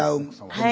はい。